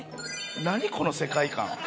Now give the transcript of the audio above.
何この世界観。